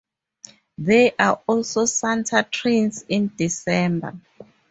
There are also santa trains in December.